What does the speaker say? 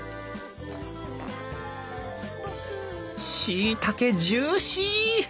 しいたけジューシー！